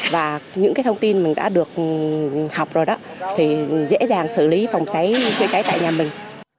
và những cái thông tin mình đã được học rồi đó thì dễ dàng xử lý phòng cháy chữa cháy tại nhà mình